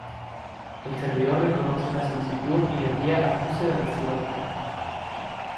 El servidor reconoce la solicitud y la envía acuse de recibo al cliente.